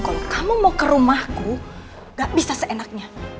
kalau kamu mau ke rumahku gak bisa seenaknya